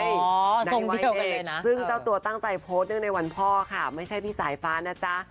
ทรงเดียวกันเลยนะซึ่งเจ้าตัวตั้งใจโพสต์เนื่องในวันพ่อค่ะไม่ใช่พี่สายฟ้านะจ๊ะ